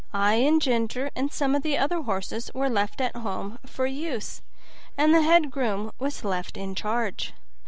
I and Ginger and some other horses were left at home for use, and the head groom was left in charge.